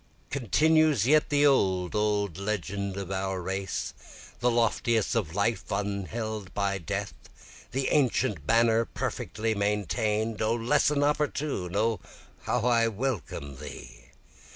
Continues yet the old, old legend of our race, The loftiest of life upheld by death, The ancient banner perfectly maintain'd, O lesson opportune, O how I welcome thee!